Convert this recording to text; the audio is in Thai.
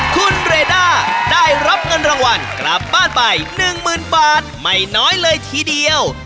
คุณเรด้าได้รับเงินรางวัลกลับบ้านไป๑๐๐๐บาทไม่น้อยเลยทีเดียว